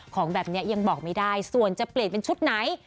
ของแบบนี้ยังบอกไม่ได้ส่วนจะเปลี่ยนเป็นชุดไหน